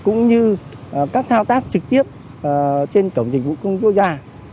cũng như các thao tác trực tiếp trên cổng dịch vụ công quốc gia